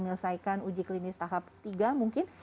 menyelesaikan uji klinis tahap tiga mungkin